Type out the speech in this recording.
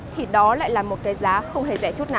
thì đó lại là một cái giá không hề rẻ chút nào